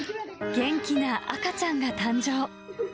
元気な赤ちゃんが誕生。